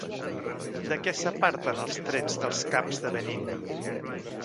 De què s'aparten els trets dels caps de Benín?